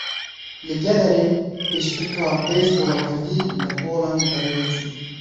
Li Geverê pêşbirka beyzbola Kurdî li Holanê birêve çû.